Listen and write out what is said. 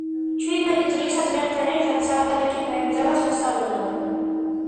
ჩვიდმეტი წლისა ძმებთან ერთად საფრანგეთში გაემგზავრა სასწავლებლად.